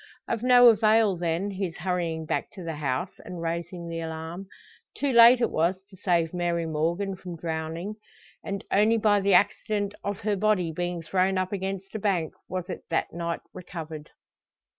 Of no avail, then, his hurrying back to the house, and raising the alarm. Too late it was to save Mary Morgan from drowning; and, only by the accident of her body being thrown up against a bank was it that night recovered.